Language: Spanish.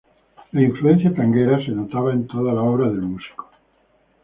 La influencia tanguera se notará en toda la obra del músico.